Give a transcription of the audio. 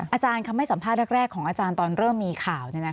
อาจารย์คำให้สัมภาษณ์แรกของอาจารย์ตอนเริ่มมีข่าว